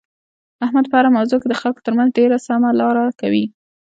احمد په هره موضوع کې د خلکو ترمنځ ډېره سمه لاره کوي.